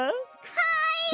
はい！